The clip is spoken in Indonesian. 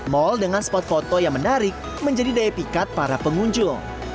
mal dengan spot foto yang menarik menjadi daya pikat para pengunjung